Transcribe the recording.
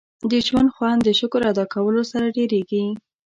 • د ژوند خوند د شکر ادا کولو سره ډېرېږي.